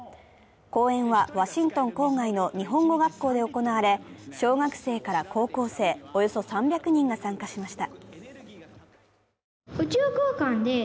講演は、ワシントン郊外の日本語学校で行われ、小学生から高校生、およそ３００人が参加しました。